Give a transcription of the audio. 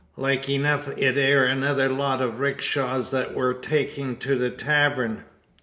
Like enuf it air another lot o' Rickshaws they wur takin' to the tavern."